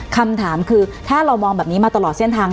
คำถามคือถ้าเรามองแบบนี้มาตลอดเส้นทาง